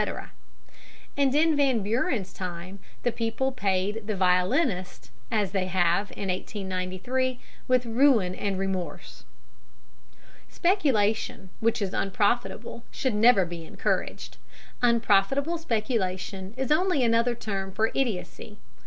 And in Van Buren's time the people paid the violinist, as they have in 1893, with ruin and remorse. Speculation which is unprofitable should never be encouraged. Unprofitable speculation is only another term for idiocy.